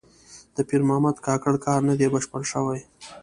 د پیر محمد کاکړ کار نه دی بشپړ شوی.